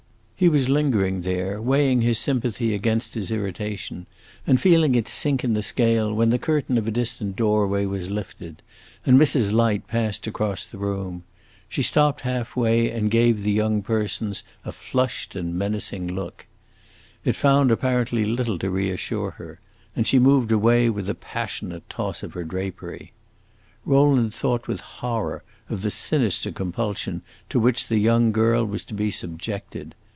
He was lingering there, weighing his sympathy against his irritation, and feeling it sink in the scale, when the curtain of a distant doorway was lifted and Mrs. Light passed across the room. She stopped half way, and gave the young persons a flushed and menacing look. It found apparently little to reassure her, and she moved away with a passionate toss of her drapery. Rowland thought with horror of the sinister compulsion to which the young girl was to be subjected.